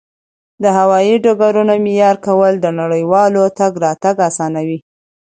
د هوایي ډګرونو معیاري کول نړیوال تګ راتګ اسانوي.